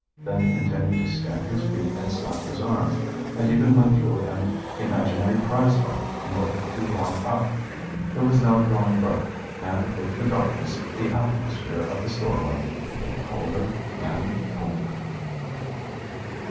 Then he continued to stamp his feet and slap his arms, and even went through an imaginary prize fight, in order to warm up. It was now growing dark, and with the darkness the atmosphere of the storeroom became colder and colder.